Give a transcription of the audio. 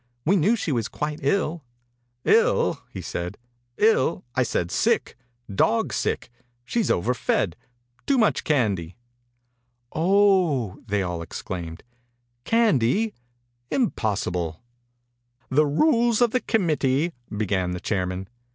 "We knew she was quite ill." "111!" he said. "111! I said sick. Dog sick. She's overfed. Too much candy." "Oh!" they all exclaimed. " Candy I Impossible !" "The rules of the committee —" began the chairman.